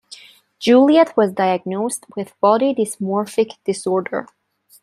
Juliet was diagnosed with Body Dysmorphic Disorder.